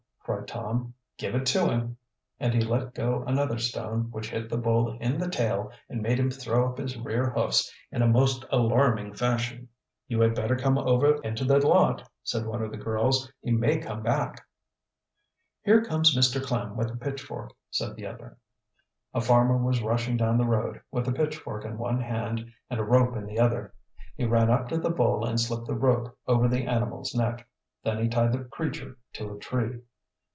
cried Tom. "Give it to him!" and he let go another stone, which hit the bull in the tail and made him throw up his rear hoofs in a most alarming fashion. "You had better come over into the lot!" said one of the girls. "He may come back." "Here comes Mr. Klem with a pitchfork," said the other. A farmer was rushing down the road, with a pitchfork in one hand and a rope in the other. He ran up to the bull and slipped the rope over the animal's neck. Then he tied the creature to a tree.